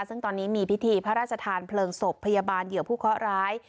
ซึ่งตอนนี้มีพิธีพระราชทานเพลิงศพพยาบาลเหยื่อผู้เคาะร้าย